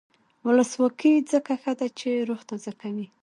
ولسواکي ځکه ښه ده چې روح تازه کوي.